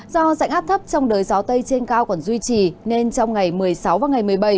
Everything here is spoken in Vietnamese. do dạnh áp thấp trong đới gió tây trên cao còn duy trì nên trong ngày một mươi sáu và ngày một mươi bảy